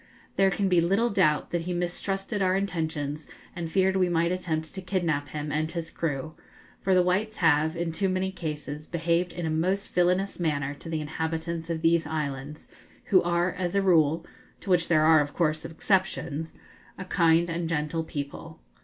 There can be little doubt that he mistrusted our intentions, and feared we might attempt to kidnap him and his crew; for the whites have, in too many cases, behaved in a most villanous manner to the inhabitants of these islands, who are, as a rule to which there are of course exceptions a kind and gentle people.